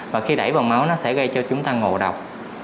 và khi đẩy vào máu nó sẽ gây cho chúng ta ngộ độc